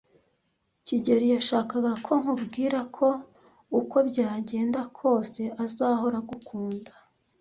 kigeli yashakaga ko nkubwira ko uko byagenda kose, azahora agukunda.